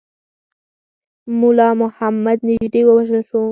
مُلا محمد نیژدې ووژل شو.